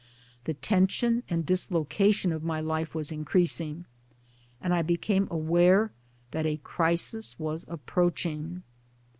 The tension and dislocation of my life was increasing, and I became aware that a crisis was approaching.